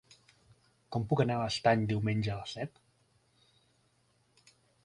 Com puc anar a l'Estany diumenge a les set?